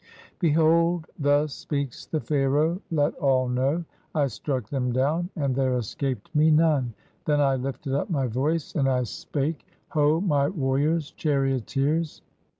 (Behold tlius speaks the Pharaoh, let all know), "I struck them down, and there escaped me none. Then I Hfted up my voice, and I spake, Ho ! my warriors, charioteers.